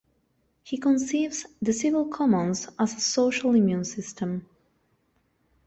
He conceives "the civil commons" as a social immune system.